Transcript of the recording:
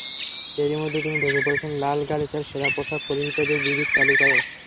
এরই মধ্যে তিনি ঢুকে পড়েছেন লালগালিচার সেরা পোশাক পরিহিতাদের বিবিধ তালিকায়ও।